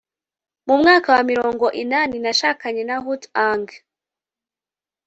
mu mwaka wa mirongo inani nashakanye na htu aung